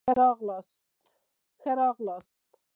ښه را غلاست